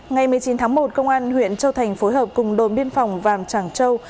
ngày một mươi chín tháng một công an huyện châu thành phối hợp cùng đồn biên phòng vàng tràng châu